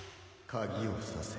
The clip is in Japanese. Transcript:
・鍵を挿せ。